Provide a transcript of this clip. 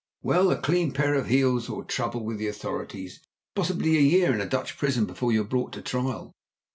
"Well, a clean pair of heels or trouble with the authorities, and possibly a year in a Dutch prison before you're brought to trial!